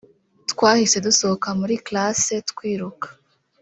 twahise dusohoka muri classe twiruka